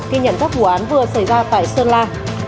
khi nhận thấp vụ án vừa xảy ra tại sơn la